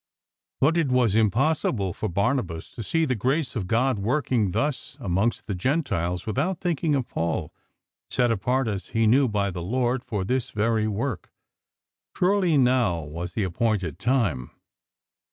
But it was impossible for Barnabas to see the grace of God working thus amongst the Gentiles without thinking of Paul, set apart as he knew by the Lord for this very work. Surely now was the appointed time.